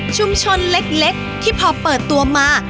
เล็กที่พอเปิดตัวมา